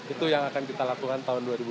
itu yang akan kita lakukan tahun dua ribu dua puluh